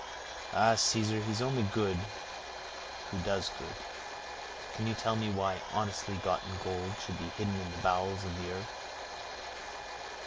"Ah! Caesar, he is good only who does good. Can you tell me why honestly gotten gold should be hidden in the bowels of the earth?"